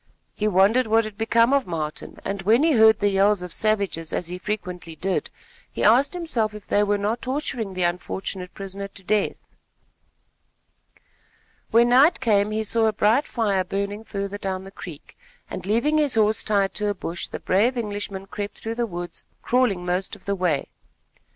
He wondered what had become of Martin, and when he heard the yells of savages as he frequently did, he asked himself if they were not torturing the unfortunate prisoner to death. When night came, he saw a bright fire burning further down the creek, and, leaving his horse tied to a bush, the brave Englishman crept through the woods, crawling most of the way.